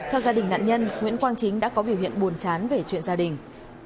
theo gia đình nạn nhân nguyễn quang chính đã có biểu hiện buồn chán về chuyện gia đình